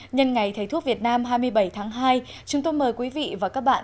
nhân ngày thầy thuốc việt nam hai mươi bảy tháng hai chúng tôi mời quý vị và các bạn